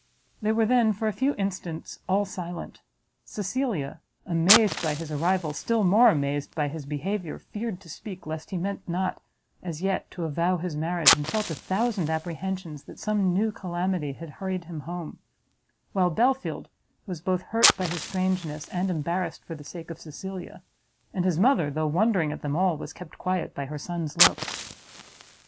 They were then, for a few instants, all silent; Cecilia, amazed by his arrival, still more amazed by his behaviour, feared to speak lest he meant not, as yet, to avow his marriage, and felt a thousand apprehensions that some new calamity had hurried him home: while Belfield was both hurt by his strangeness, and embarrassed for the sake of Cecilia; and his mother, though wondering at them all, was kept quiet by her son's looks.